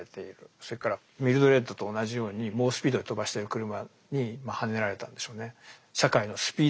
それからミルドレッドと同じように猛スピードで飛ばしてる車にはねられたんでしょうね。